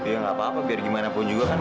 ya nggak apa apa biar gimana pun juga kan